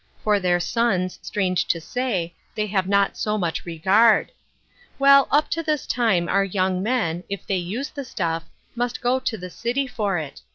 For their sons, strange to say, they have not so much regard ! Well, up to this time our young men, if they use the stuff, must go to the city for it.